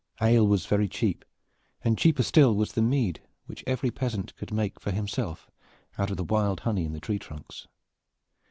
Ale was very cheap, and cheaper still was the mead which every peasant could make for himself out of the wild honey in the tree trunks.